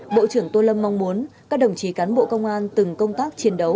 bộ trưởng tô lâm mong muốn các đồng chí cán bộ công an từng công tác chiến đấu